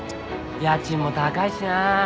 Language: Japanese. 家賃も高いしな。